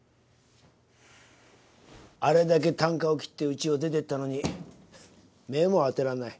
あれだけたんかを切ってうちを出てったのに目も当てられない。